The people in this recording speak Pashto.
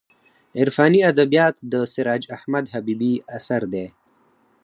عرفاني ادبیات د سراج احمد حبیبي اثر دی.